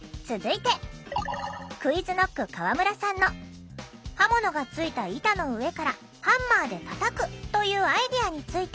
続いてＱｕｉｚＫｎｏｃｋ河村さんの「刃物が付いた板の上からハンマーで叩く」というアイデアについて。